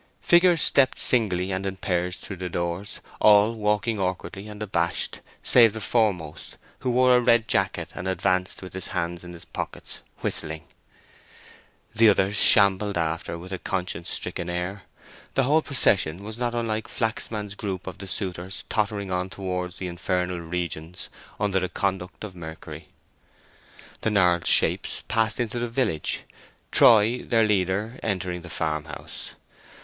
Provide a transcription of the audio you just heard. Figures stepped singly and in pairs through the doors—all walking awkwardly, and abashed, save the foremost, who wore a red jacket, and advanced with his hands in his pockets, whistling. The others shambled after with a conscience stricken air: the whole procession was not unlike Flaxman's group of the suitors tottering on towards the infernal regions under the conduct of Mercury. The gnarled shapes passed into the village, Troy, their leader, entering the farmhouse.